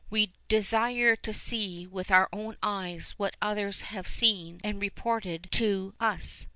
We desire to see with our own eyes what others have seen and reported to us.